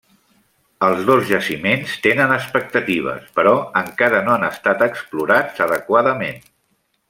Els dos jaciments tenen expectatives però encara no han estat explorats adequadament.